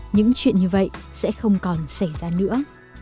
những chuyện như vậy sẽ không còn xảy ra nữa